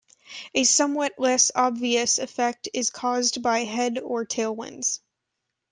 A somewhat less obvious effect is caused by head or tailwinds.